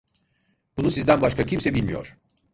Bunu sizden başka kimse bilmiyor…